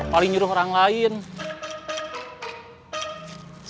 masih ada yang nangis